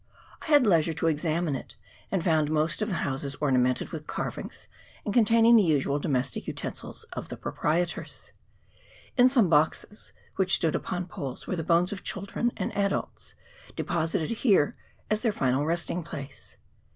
I had leisure to exa mine it, and found most of the houses ornamented with carvings, and containing the usual domestic utensils of the proprietors. In some boxes which stood upon poles were the bones of children and adults, deposited here as their final resting place.